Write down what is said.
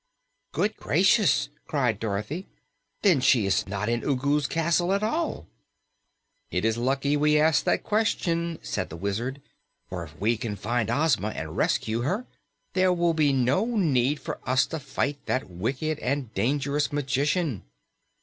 "Good gracious!" cried Dorothy. "Then she is not in Ugu's castle at all." "It is lucky we asked that question," said the Wizard, "for if we can find Ozma and rescue her, there will be no need for us to fight that wicked and dangerous magician."